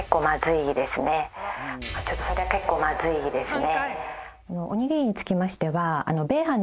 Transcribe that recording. ちょっとそれは結構まずいですね。